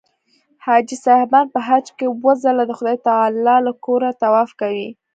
حاجي صاحبان په حج کې اووه ځله د خدای تعلی له کوره طواف کوي.